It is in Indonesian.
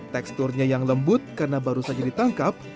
teksturnya yang lembut karena baru saja ditangkap